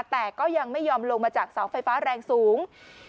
แต่ก็ยังไม่ยอมลงมาจากเสาไฟฟ้าแรงสูง